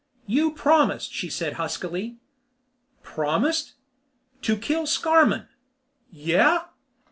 "You promised," she said huskily. "Promised?" "To kill Scarmann." "Yeah?"